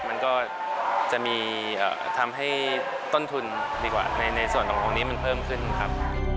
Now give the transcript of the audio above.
มันก็จะมีทำให้ต้นทุนดีกว่าในส่วนของตรงนี้มันเพิ่มขึ้นครับ